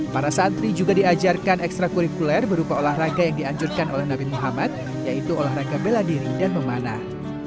para santri juga diajarkan ekstra kurikuler berupa olahraga yang dianjurkan oleh nabi muhammad yaitu olahraga bela diri dan memanah